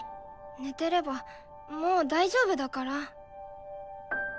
寝てればもう大丈夫だから。